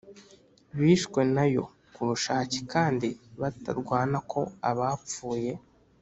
Bishwe na yo ku bushake kandi batarwana ko abapfuye